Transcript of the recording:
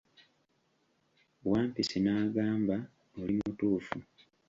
Wampisi n'agamba, oli mutuufu.